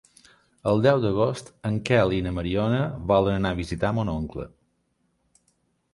El deu d'agost en Quel i na Mariona volen anar a visitar mon oncle.